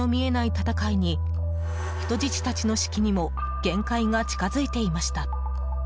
闘いに人質たちの士気にも限界が近づいていました。